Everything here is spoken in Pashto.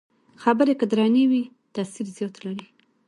خبرې که درنې وي، تاثیر زیات لري